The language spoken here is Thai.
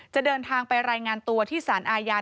เดินทางไปรายงานตัวที่สารอาญา